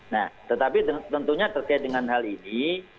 nah tetapi tentunya terkait dengan hal ini